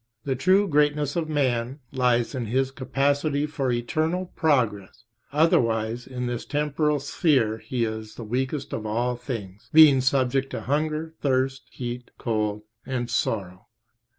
The true greatness; of man lies in his capacity for eternal {p. 32} progress, otherwise in this temporal sphere he is the weakest of all things, being subject to hunger, thirst, heat, cold, and sorrow.